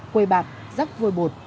quầy bạc rác vôi bột